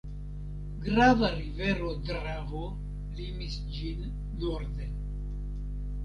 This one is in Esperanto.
Grava rivero Dravo limis ĝin norde.